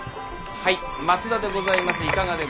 はい松田でございます。